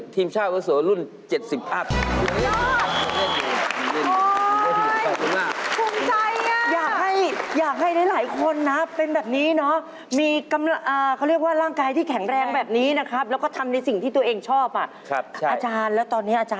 ผมเล่นทีมชาติอาวุโสรุ่น๗๐อัพ